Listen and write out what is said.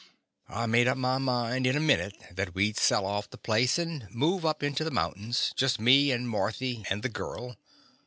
I made up my mind in a minute that we 'd sell off the place and move up into the mountains — just me and Marthy and the girl.